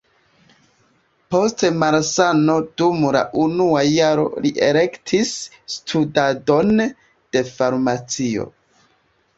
Post malsano dum la unua jaro li elektis studadon de farmacio.